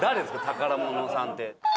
宝物さんって。